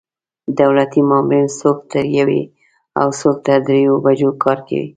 دولتي مامورین څوک تر یوې او څوک تر درېیو بجو کار کوي.